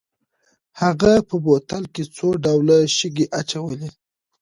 هغه په بوتل کې څو ډوله شګې اچولې.